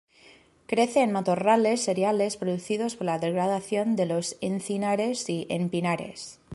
Crece en matorrales seriales producidos por la degradación de los encinares y en pinares.